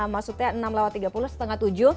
maksudnya enam tiga puluh setengah tujuh